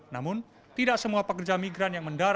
namun tidak semua pekerja migran yang mendalam